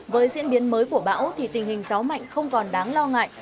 với diễn biến mới của bão thì tình hình gió mạnh không còn đáng lo ngại